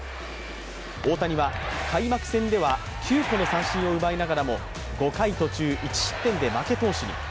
大谷は開幕戦では９個の三振を奪いながらも５回途中１失点で負け投手に。